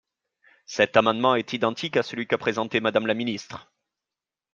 Cet amendement est identique à celui qu’a présenté Madame la ministre.